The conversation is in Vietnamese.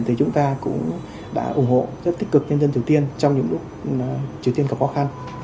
thì chúng ta cũng đã ủng hộ rất tích cực nhân dân triều tiên trong những lúc triều tiên gặp khó khăn